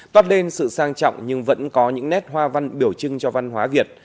toát lên sự sang trọng nhưng vẫn có những nét hoa văn biểu trưng cho văn hóa việt